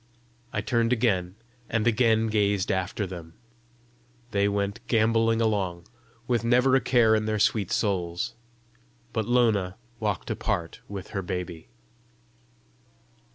I turned again, and again gazed after them: they went gamboling along, with never a care in their sweet souls. But Lona walked apart with her baby.